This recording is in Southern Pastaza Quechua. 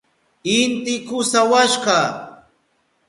Inti kusawashka.